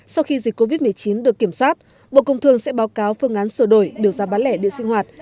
sau khi dịch covid một mươi chín được kiểm soát bộ công thương sẽ báo cáo phương án sửa đổi biểu giá bán lẻ điện sinh hoạt